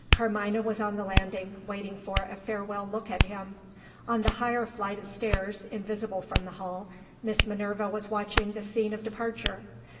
Carmina was on the landing, waiting for a farewell look at him. On the higher flight of stairs, invisible from the hall, Miss Minerva was watching the scene of departure.